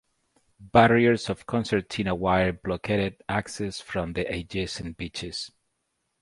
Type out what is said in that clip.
Barriers of concertina wire blockaded access from the adjacent beaches.